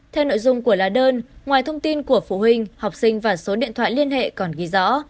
theo nội dung của lá đơn ngoài thông tin của phụ huynh học sinh và số điện thoại liên hệ còn ghi rõ